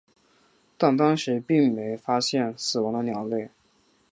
但当时并没发现死亡的鸟类。